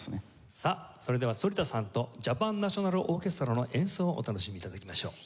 さあそれでは反田さんとジャパン・ナショナル・オーケストラの演奏をお楽しみ頂きましょう。